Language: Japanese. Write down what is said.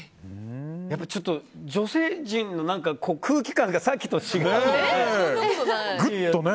やっぱり女性陣の空気感がさっきと違うよね。